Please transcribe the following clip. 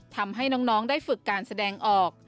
ทำให้น้องได้ฝึกการแสดงออก